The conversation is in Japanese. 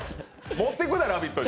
持ってくるなよ、「ラヴィット！」に。